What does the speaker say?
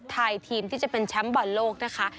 ทีมที่จะเป็นแชมป์บอลโลกนะคะ